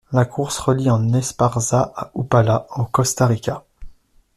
La course relie en Esparza à Upala, au Costa-Rica.